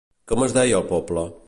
Com es deia el poble?